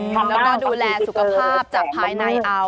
ใช้ทำดูแลสุขภาพจากภายใน